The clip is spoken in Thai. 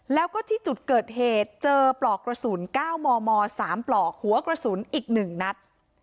แล้วก็ที่จุดเกิดเหตุเจอปลอกกระสุน๙มม๓ปลอกหัวกระสุนอีก๑นัด